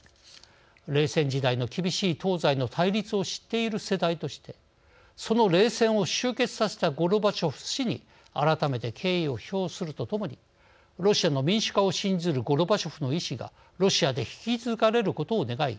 冷戦時代の厳しい東西の対立を知っている世代としてその冷戦を終結させたゴルバチョフ氏に改めて敬意を表するとともにロシアの民主化を信じるゴルバチョフの意思がロシアで引き継がれることを願い